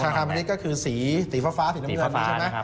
ธนาคารพาณิชย์ก็คือสีฟ้าสีน้ำเงินใช่ไหม